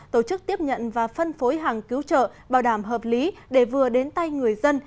tổ chức tiếp nhận và phân phối hàng cứu trợ bảo đảm hợp lý để vừa đến tay người dân